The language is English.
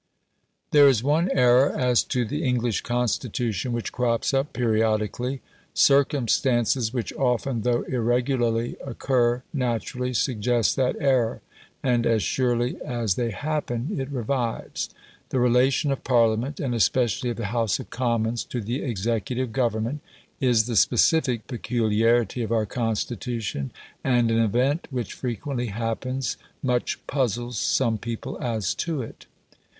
There is one error as to the English Constitution which crops up periodically. Circumstances which often, though irregularly, occur naturally suggests that error, and as surely as they happen it revives. The relation of Parliament, and especially of the House of Commons, to the executive Government is the specific peculiarity of our Constitution, and an event which frequently happens much puzzles some people as to it.